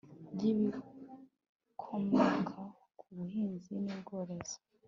ry ibikokomoka ku buhinzi n ubworozi